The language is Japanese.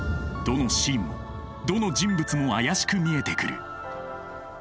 どのシーンもどの人物も怪しく見えてくる。